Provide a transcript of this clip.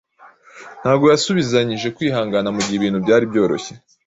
Ntabwo yasubizanyije kwihangana mu gihe ibintu byari byoroshye,